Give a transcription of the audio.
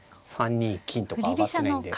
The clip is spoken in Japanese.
３二金とか上がってないんで。